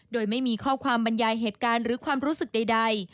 โดยไม่มีข้อความบรรยายเหตุการณ์หรือความรู้สึกใด